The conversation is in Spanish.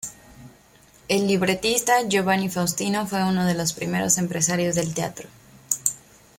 El libretista Giovanni Faustino fue uno de los primeros empresarios del teatro.